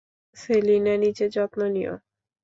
সেলিনা, নিজের যত্ন নিও।